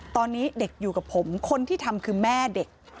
ตอนนี้เด็กอยู่กับผมคนที่ทำคือแม่เด็ก